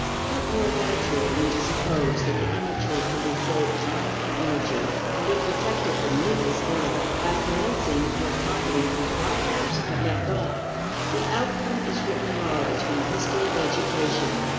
What more natural than to suppose that the immature can be saved time and energy, and be protected from needless error by commencing where competent inquirers have left off? The outcome is written large in the history of education.